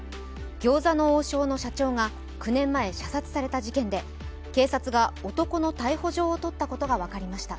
餃子の王将の社長が９年前射殺された事件で、警察が男の逮捕状を取ったことが分かりました。